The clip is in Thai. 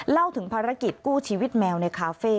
เล่าถึงภารกิจกู้ชีวิตแมวในคาเฟ่